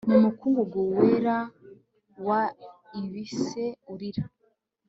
Mu mukungugu wera wa ibise urira